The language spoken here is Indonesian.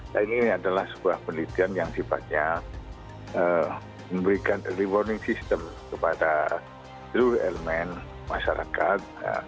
nah ini adalah sebuah penelitian yang sifatnya memberikan early warning system kepada seluruh elemen masyarakat